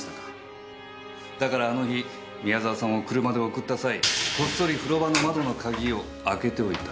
だからあの日宮澤さんを車で送った際こっそり風呂場の窓の鍵を開けておいた。